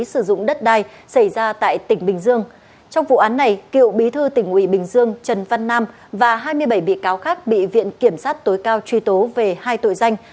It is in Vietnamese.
sử dụng đất đai xảy ra tại tỉnh bình dương trong vụ án này cựu bí thư tỉnh ủy bình dương trần văn nam và hai mươi bảy bị cáo khác bị viện kiểm sát tối cao truy tố về hai tội danh